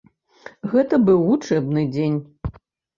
Гэта быў вучэбны дзень.